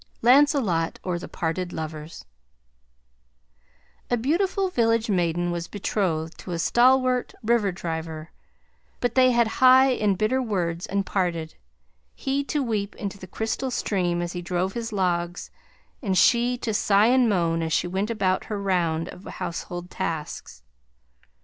LANCELOT OR THE PARTED LOVERS A beautiful village maiden was betrothed to a stallwart river driver, but they had high and bitter words and parted, he to weep into the crystal stream as he drove his logs, and she to sigh and moan as she went about her round of household tasks.